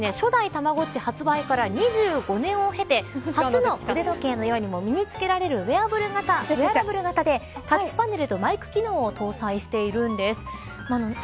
こちらは初代たまごっち発売から２５年をへて初の腕時計のように身に着けられるウェアラブル型でタッチパネルやマイク機能を搭載しているんです。